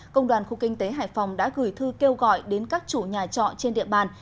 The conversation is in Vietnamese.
công đoàn khu kinh tế hải phòng đã gửi thư kêu gọi đến các chủ nhà trọ trên địa bàn